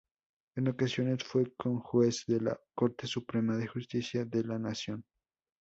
En ocasiones, fue conjuez de la Corte Suprema de Justicia de la Nación.